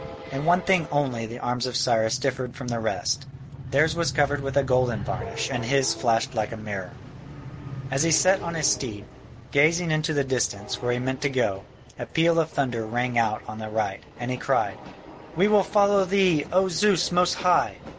In one thing only the arms of Cyrus differed from the rest: theirs was covered with a golden varnish and his flashed like a mirror. As he sat on his steed, gazing into the distance, where he meant to go, a peal of thunder rang out on the right, and he cried, "We will follow thee, O Zeus most high!"